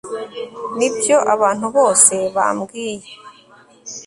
Nibyo abantu bose bambwiye